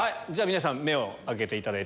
皆さん目を開けていただいて。